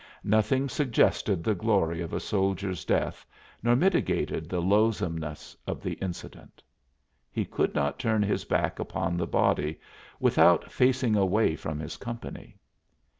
Nothing suggested the glory of a soldier's death nor mitigated the loathsomeness of the incident. He could not turn his back upon the body without facing away from his company.